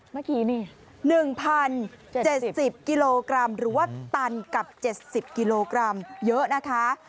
เมื่อกี้นี่๑๐๗๐กิโลกรัมหรือว่าตันกับ๗๐กิโลกรัมเยอะนะคะ